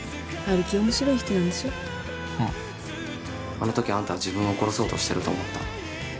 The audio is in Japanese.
あの時あんたは自分を殺そうとしてると思った。